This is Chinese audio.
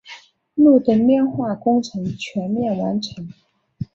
路灯亮化工程全面完成。